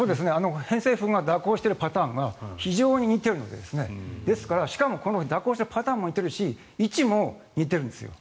偏西風が蛇行しているパターンが非常に似ているのでですから、しかも蛇行したパターンも似てるし位置も似てるんですよ。